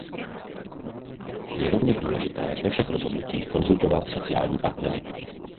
Je rovněž důležité ve všech rozhodnutích konzultovat sociální partnery.